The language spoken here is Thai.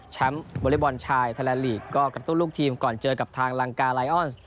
วอเล็กบอลชายไทยแลนดลีกก็กระตุ้นลูกทีมก่อนเจอกับทางลังกาไลออนซ์